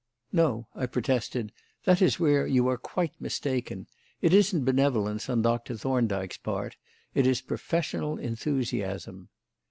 "No," I protested; "that is where you are quite mistaken. It isn't benevolence on Doctor Thorndyke's part; it is professional enthusiasm."